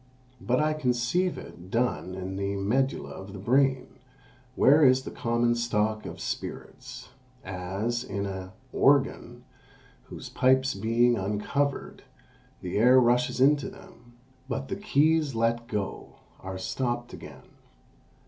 But I conceive it done in the medulla of the brain, where is the common stock of spirits; as in an organ, whose pipes being uncovered, the air rushes into them; but the keys let go, are stopped again.